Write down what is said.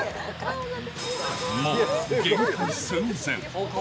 もう限界寸前。